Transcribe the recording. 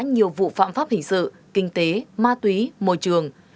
nhiều vụ phạm pháp hình sự kinh tế ma túy môi trường